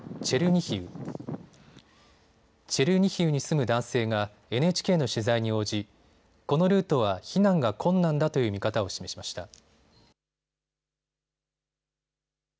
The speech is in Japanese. チェルニヒウに住む男性がＮＨＫの取材に応じ、このルートは避難が困難だという見方を示しました。